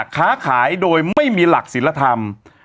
ค้าขายโดยไม่มีหลักศิลธรรม